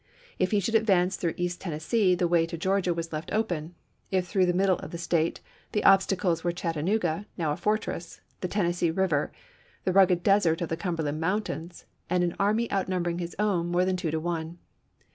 If he should advance through East Tennessee the way to Georgia was left open ; if through the middle of the State, the obstacles were Chatta nooga, now a fortress, the Tennessee Eiver, the rugged desert of the Cumberland Mountains, and an army outnumbering his own more than two to one.